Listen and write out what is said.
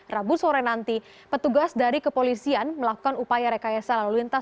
rabu sore nanti petugas dari kepolisian melakukan upaya rekayasa lalu lintas